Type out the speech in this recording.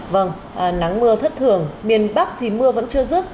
vâng nắng mưa thất thường miền bắc thì mưa vẫn chưa dứt